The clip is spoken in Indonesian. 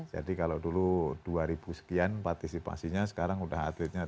jadi kalau dulu dua ribu sekian partisipasinya sekarang udah atletnya tiga ribu